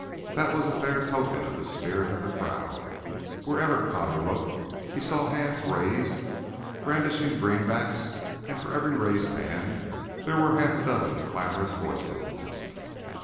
That was a fair token of the spirit of the crowd. Wherever Connor looked he saw hands raised, brandishing greenbacks, and for every raised hand there were half a dozen clamorous voices.